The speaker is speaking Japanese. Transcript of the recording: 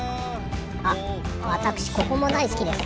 あわたくしここもだいすきです。